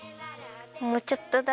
もうちょっとだ！